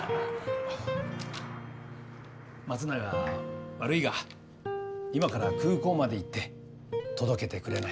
松永悪いが今から空港まで行って届けてくれないか？